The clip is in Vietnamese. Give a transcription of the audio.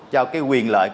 cho cái quyền lợi